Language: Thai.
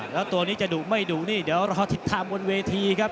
แล้วตัวนี้จะดุไม่ดุนี่เดี๋ยวรอติดตามบนเวทีครับ